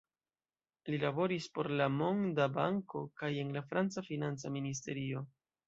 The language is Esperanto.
Li laboris por la Monda Banko kaj en la franca financa ministerio.